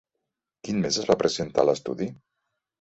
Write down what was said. Quin mes es va presentar l'Estudi?